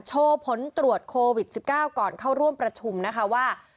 ผลตรวจโควิด๑๙ก่อนเข้าร่วมประชุมนะคะว่า